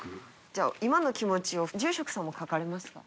じゃあ、今の気持ちを、住職さんも書かれますか？